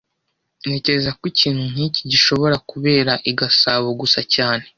Ntekereza ko ikintu nkiki gishobora kubera i Gasabo gusa cyane